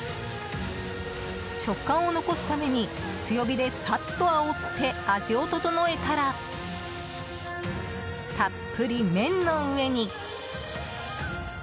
食感を残すために強火でサッとあおって味を調えたらたっぷり麺の上に。